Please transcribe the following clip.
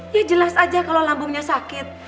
ya jelas aja kalau lambungnya sakit